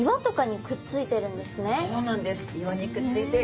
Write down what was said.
そうなんです。